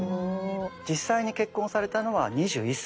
実際に結婚されたのは２１歳。